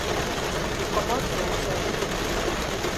You komot for wusaid?